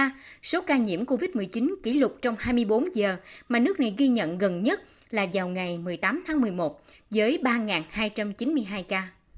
trong đó số ca nhiễm covid một mươi chín kỷ lục trong hai mươi bốn giờ mà nước này ghi nhận gần nhất là vào ngày một mươi tám tháng một mươi một với ba hai trăm chín mươi hai ca